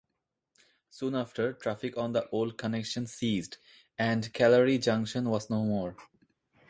Soon after, traffic on the old connection ceased, and Callery Junction was no more.